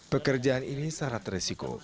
pekerjaan ini syarat resiko